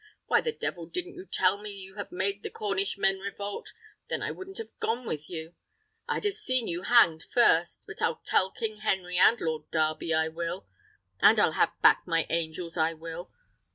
Why the devil didn't you tell me you had made the Cornish men revolt? then I wouldn't have gone with you; I'd ha' seen you hanged first. But I'll tell King Henry and Lord Darby, I will; and I'll have back my angels, I will.